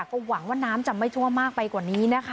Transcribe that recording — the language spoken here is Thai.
ก็หวังว่าน้ำจะไม่ทั่วมากไปกว่านี้นะคะ